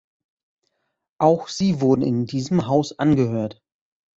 Auch sie wurden in diesem Haus angehört.